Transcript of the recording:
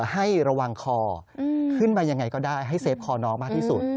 ให้ระวังคอขึ้นมายังไงก็ได้ให้เฟฟคอน้องมากที่สุด